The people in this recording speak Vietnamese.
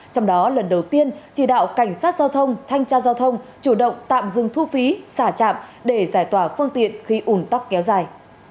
trong đó lần đầu tiên chỉ đạo cảnh sát giao thông thanh tra giao thông chủ động tạm dừng thu phí xả trạm để giải tỏa phương tiện khi ủn tắc kéo dài